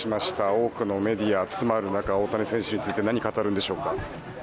多くのメディアが集まる中大谷選手について何を語るんでしょうか。